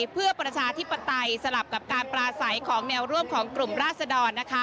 เพื่อประชาธิปไตยสลับกับการปราศัยของแนวร่วมของกลุ่มราศดร